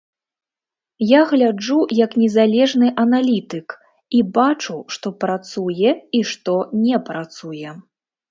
Я гляджу як незалежны аналітык і бачу, што працуе і што не працуе.